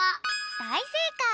だいせいかい！